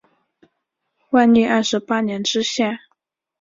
万历二十八年知县。